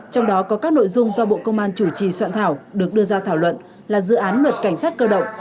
trong đó có các nội dung do bộ công an chủ trì soạn thảo được đưa ra thảo luận là dự án luật cảnh sát cơ động